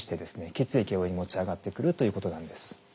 血液を上に持ち上がってくるということなんです。